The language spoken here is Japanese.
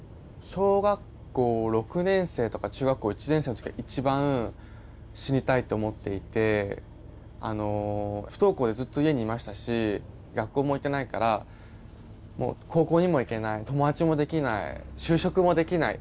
小学校６年生とか中学校１年生の時が一番死にたいと思っていてあの不登校でずっと家にいましたし学校も行けないからもう高校にも行けない友達もできない就職もできない。